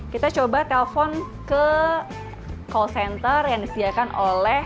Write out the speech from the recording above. kita coba telpon ke call center yang disediakan oleh